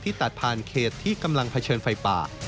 ตัดผ่านเขตที่กำลังเผชิญไฟป่า